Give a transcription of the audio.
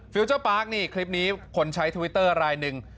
เจอร์ปาร์คนี่คลิปนี้คนใช้ทวิตเตอร์รายหนึ่ง